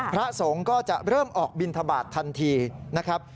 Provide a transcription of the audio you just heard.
พระสงฆ์ก็จะเริ่มออกบินทบาททันทีนะครับ